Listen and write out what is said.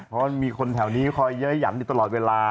บอกคือคนแถวนี้คอยหย่ะหย่ำอยู่ตลอดเวลา